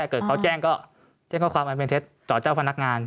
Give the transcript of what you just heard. เกิดเขาแจ้งก็แจ้งข้อความอันเป็นเท็จต่อเจ้าพนักงาน